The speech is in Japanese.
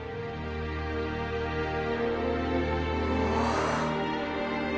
あ！あ。